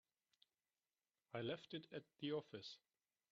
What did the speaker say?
I left it at the office.